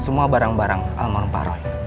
semua barang barang almarhum paroi